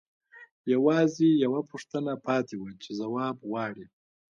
یوازې یوه پوښتنه پاتې وه چې ځواب غواړي